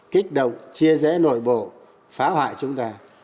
kích động chia rẽ nội bộ phá hoại chúng ta